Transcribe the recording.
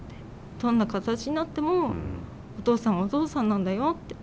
「どんな形になってもお父さんはお父さんなんだよ」って。